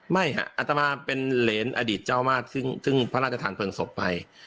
ไม่ค่ะอาตมาเป็นเหรียญอดิตเจ้ามาสซึ่งพระอาจฐานเฟิร์งศพไป